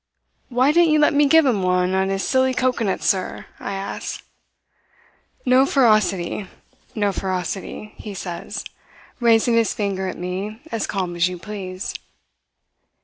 "'Why didn't you let me give him one on his silly coconut sir?' I asks. "'No ferocity, no ferocity,' he says, raising his finger at me as calm as you please.